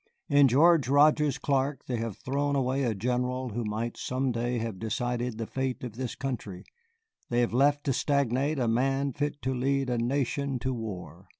In George Rogers Clark they have thrown away a general who might some day have decided the fate of this country, they have left to stagnate a man fit to lead a nation to war.